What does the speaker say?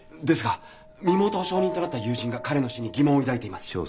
ですが身元保証人となった友人が彼の死に疑問を抱いています。